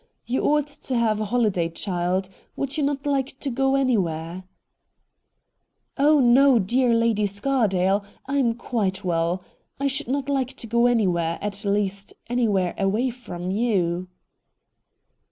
You ought to have a holiday, child. Would you not Hke to go anywhere .^'' Oh no, dear Lady Scardale ; I am quite well. I should not like to go anywhere — at least, anywhere away from you.'